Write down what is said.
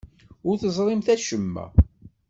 Ur teẓrimt acemma.